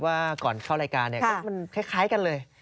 ว่าก่อนเข้ารายการมันคล้ายกันเลย